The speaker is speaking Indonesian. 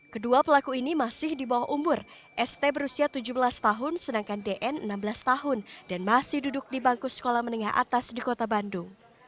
kedua pelaku ini masih di bawah umur st berusia tujuh belas tahun sedangkan dn enam belas tahun dan masih duduk di bangku sekolah menengah atas di kota bandung